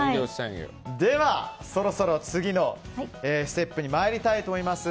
ではそろそろ次のステップに参りたいと思います。